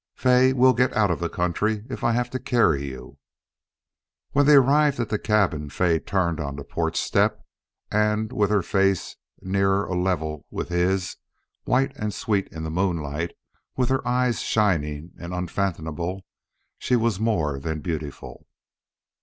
"Fay, we'll get out of the country if I have to carry you." When they arrived at the cabin Fay turned on the porch step and, with her face nearer a level with his, white and sweet in the moonlight, with her eyes shining and unfathomable, she was more than beautiful.